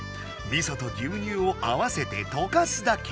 みそと牛乳を合わせてとかすだけ！